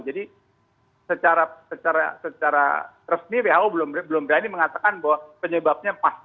jadi secara resmi who belum berani mengatakan bahwa penyebabnya pasti ada